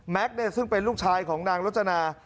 แม็กซ์ซึ่งเป็นลูกชายของนางรจนาน